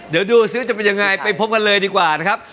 เดี๋ยวดูซิจะเป็นยังไงไปพบกันเลยดีกว่านะครับ